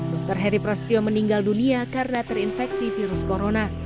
dr heri prasetyo meninggal dunia karena terinfeksi virus corona